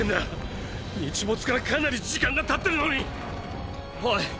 ⁉日没からかなり時間がたってるのに⁉オイ！